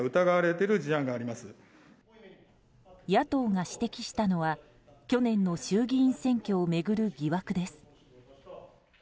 野党が指摘したのは去年の衆議院選挙を巡る疑惑です。